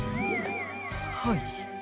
はい。